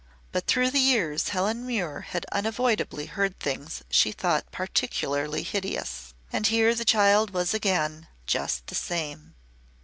But through the years Helen Muir had unavoidably heard things she thought particularly hideous. And here the child was again "just the same."